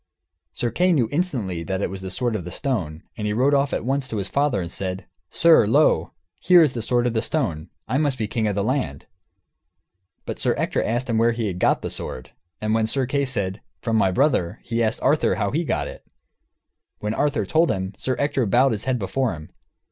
Sir Kay knew instantly that it was the sword of the stone, and he rode off at once to his father and said, "Sir, lo, here is the sword of the stone; I must be king of the land." But Sir Ector asked him where he got the sword. And when Sir Kay said, "From my brother," he asked Arthur how he got it. When Arthur told him, Sir Ector bowed his head before him.